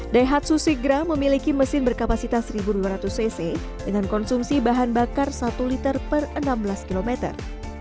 daihatsu sigra memiliki mesin berkapasitas seribu dua ratus cc dengan konsumsi bahan bakar satu liter per enam belas kilometer